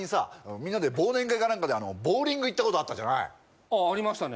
みんなで忘年会か何かでボウリング行ったことあったじゃないあっありましたね